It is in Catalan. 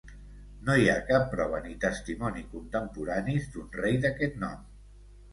No hi ha cap prova ni testimoni contemporanis d'un rei d'aquest nom.